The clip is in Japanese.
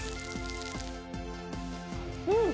うん。